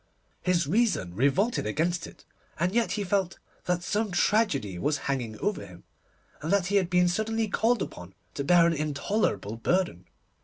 His reason revolted against it, and yet he felt that some tragedy was hanging over him, and that he had been suddenly called upon to bear an intolerable burden.